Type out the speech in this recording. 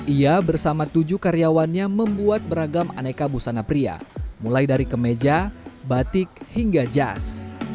ia bersama tujuh karyawannya membuat beragam aneka busana pria mulai dari kemeja batik hingga jas